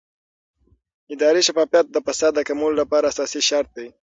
اداري شفافیت د فساد د کمولو لپاره اساسي شرط دی